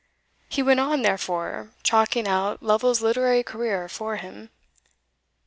He went on, therefore, chalking out Lovel's literary career for him.